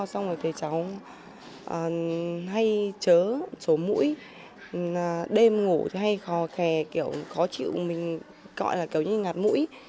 xong rồi thấy cháu hay chớ sổ mũi đêm ngủ hay khò khè kiểu có chịu mình gọi là kiểu như ngạt mũi